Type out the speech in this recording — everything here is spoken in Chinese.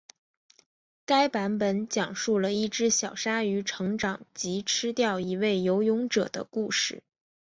该版本讲述了一只小鲨鱼成长及吃掉一位游泳者的故事。